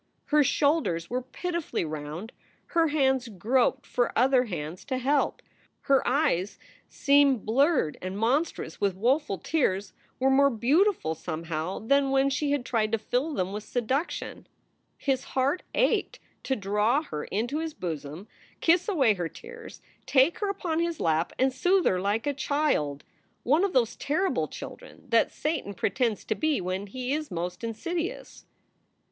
Her shoulders were piti SOULS FOR SALE 211 fully round; her hands groped for other nands to help; her eyes, seen blurred and monstrous with woeful tears, were more beautiful, somehow, than when she had tried to fill them with seduction. His heart ached to draw her into his bosom, kiss away her tears, take her upon his lap, and soothe her like a child, one of those terrible children that Satan pretends to be when he is most insidious.